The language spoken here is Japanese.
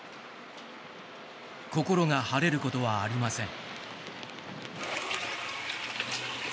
心が晴れることはありません。